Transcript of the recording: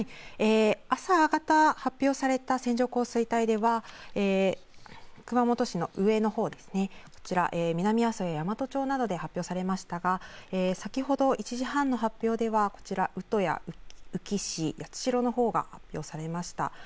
朝方、発表された線状降水帯では熊本市の上のほう、南阿蘇や山都町などで発表されましたが先ほど１時半発表ではこちら、宇城市、八代のほうが発表されました。